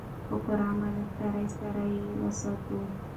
په پوره امانتدارۍ سره یې وساتو.